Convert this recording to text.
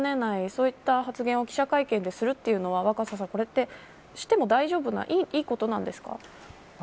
そういった発言を記者会見でするというのは若狭さん、これはしてもいいことなんですか。